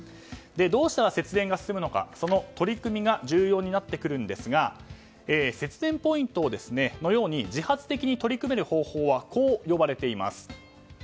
どうしたら節電が進むのか、取り組みが重要になってくるんですが節電ポイントのように自発的に取り組める方法はこう呼ばれています。